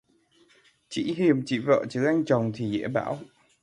Chỉ hiềm chị vợ chứ anh chồng thì dễ bảo